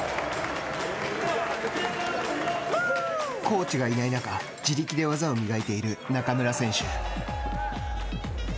コーチがいない中自力で技を磨いている中村選手。